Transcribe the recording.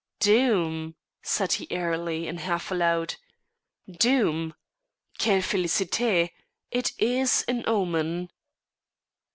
"Doom!" said he airily and half aloud. "Doom! Quelle félicité! It is an omen."